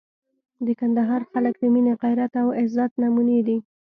د کندهار خلک د مینې، غیرت او عزت نمونې دي.